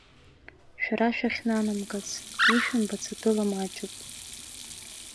Шәара шәахьнанамгац, ишәымбац атәыла маҷуп.